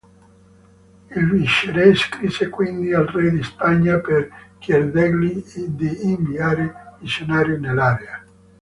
Il viceré scrisse quindi al re di Spagna per chiedergli di inviare missionari nell'area.